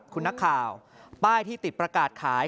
คุณนักข่าวป้ายที่ติดประกาศขาย